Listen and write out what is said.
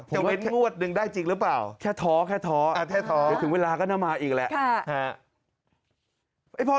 จะเว้นงวดนึงได้จริงหรือเปล่าแค่ท้อเดี๋ยวถึงเวลาก็นำมาอีกแล้ว